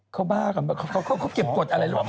เขาบ้าหรือเปล่าเขาเก็บกฎอะไรหรือ